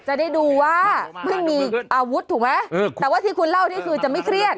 จะได้ดูว่าเพิ่งมีอาวุธถูกไหมแต่ว่าที่คุณเล่านี่คือจะไม่เครียด